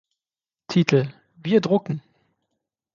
Titel: "Wir drucken!